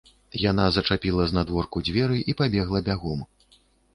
Яна зашчапіла знадворку дзверы і пабегла бягом.